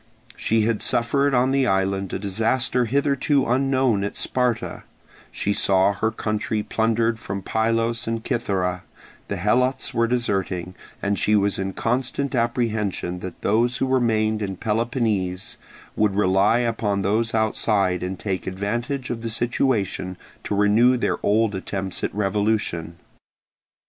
She had suffered on the island a disaster hitherto unknown at Sparta; she saw her country plundered from Pylos and Cythera; the Helots were deserting, and she was in constant apprehension that those who remained in Peloponnese would rely upon those outside and take advantage of the situation to renew their old attempts at revolution.